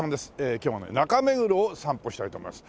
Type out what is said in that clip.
今日は中目黒を散歩したいと思います。